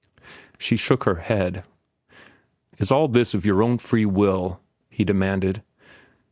She shook her head. "Is all this of your own free will?" he demanded.